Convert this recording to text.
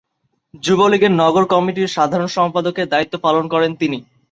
যুবলীগের নগর কমিটির সাধারণ সম্পাদকের দায়িত্ব পালন করেন তিনি।